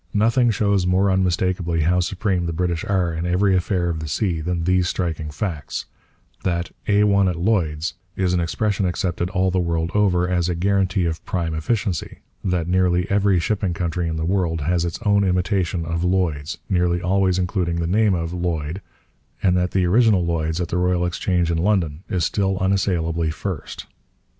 Nothing shows more unmistakably how supreme the British are in every affair of the sea than these striking facts: that 'A1 at Lloyd's' is an expression accepted all the world over as a guarantee of prime efficiency, that nearly every shipping country in the world has its own imitation of Lloyd's, nearly always including the name of Lloyd, and that the original Lloyd's at the Royal Exchange in London is still unassailably first.